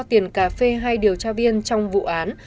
tiền cà phê hai điều tra viên trong vụ án